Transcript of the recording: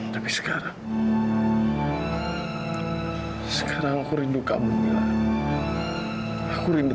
karena kamu masih menangis keesokan harinya